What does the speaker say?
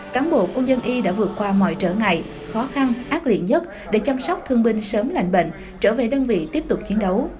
cán bộ quân dân y đã vượt qua mọi trở ngại khó khăn ác liệt nhất để chăm sóc thương binh sớm lạnh bệnh trở về đơn vị tiếp tục chiến đấu